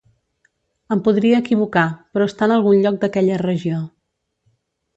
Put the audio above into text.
Em podria equivocar, però està en algun lloc d'aquella regió.